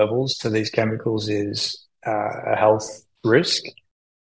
kepada kesehatan kesehatan manusia